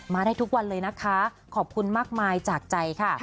ได้ทุกวันเลยนะคะขอบคุณมากมายจากใจค่ะ